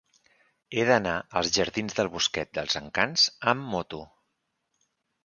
He d'anar als jardins del Bosquet dels Encants amb moto.